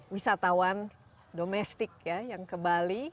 wisatawan domestik ya yang ke bali